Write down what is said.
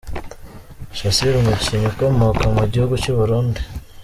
Sashiri umukinnyi ukomoka mu gihugu cy’uburundi